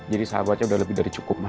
jadi sahabatnya udah lebih dari cukup ma